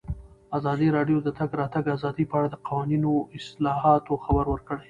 ازادي راډیو د د تګ راتګ ازادي په اړه د قانوني اصلاحاتو خبر ورکړی.